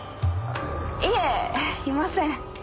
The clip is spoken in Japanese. いえいません。